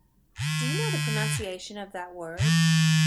Do you know the pronunciation of that word?